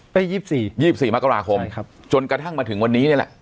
ได้ยี่สิบสี่ยี่สิบสี่มกราคมใช่ครับจนกระทั่งมาถึงวันนี้เนี้ยแหละ